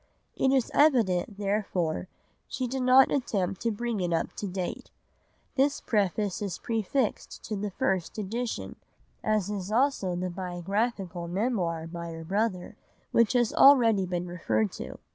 It is evident, therefore, she did not attempt to bring it up to date. This preface is prefixed to the first edition, as is also the biographical Memoir by her brother which has already been referred to.